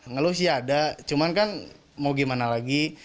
ngelus ya ada cuman kan mau gimana lagi